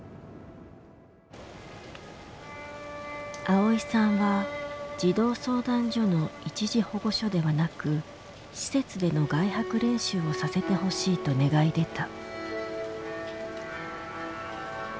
あおいさんは児童相談所の一時保護所ではなく施設での外泊練習をさせてほしいと願い出た。